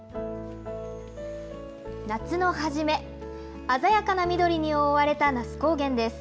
夏の初め、鮮やかな緑に覆われた那須高原です。